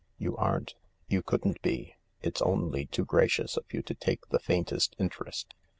" You aren't. You couldn't be. It's only too gracious of you to take the faintest interest.